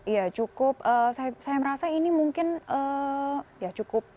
ya cukup saya merasa ini mungkin ya cukup